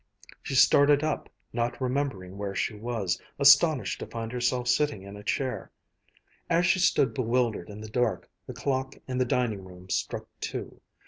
She started up, not remembering where she was, astonished to find herself sitting in a chair. As she stood bewildered in the dark, the clock in the dining room struck two.